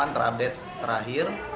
delapan puluh delapan terupdate terakhir